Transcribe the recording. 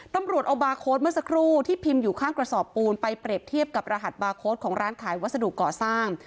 ตำรวจเอาบาร์โค้ดเมื่อสักครู่ที่พิมพ์อยู่ข้างกระสอบปูนไปเปรียบเทียบกับรหัสบาร์โค้ดของร้านขายวัสดุก่อสร้าง